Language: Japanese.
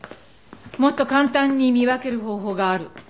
もっと簡単に見分ける方法がある。